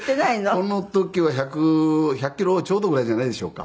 この時は１００キロちょうどぐらいじゃないでしょうか。